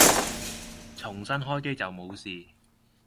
重新開機就冇事